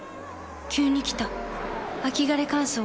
急に来た秋枯れ乾燥。